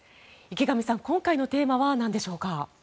池上さん、今回のテーマは何でしょうか？